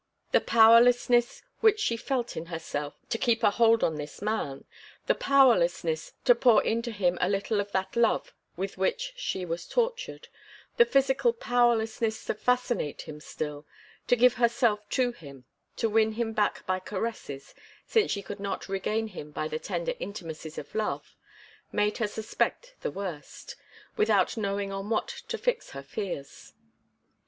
The powerlessness which she felt in herself to keep a hold on this man, the powerlessness to pour into him a little of that love with which she was tortured, the physical powerlessness to fascinate him still, to give herself to him, to win him back by caresses, since she could not regain him by the tender intimacies of love, made her suspect the worst, without knowing on what to fix her fears.